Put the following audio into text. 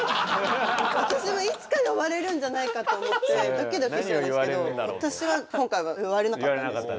私もいつか呼ばれるんじゃないかと思ってドキドキしてたんですけど私は今回は言われなかったんです。